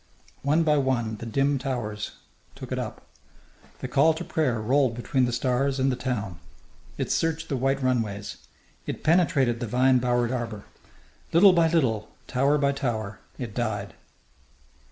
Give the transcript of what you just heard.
One by one the dim towers took it up. The call to prayer rolled between the stars and the town. It searched the white runways. It penetrated the vine bowered arbour. Little by little, tower by tower, it died.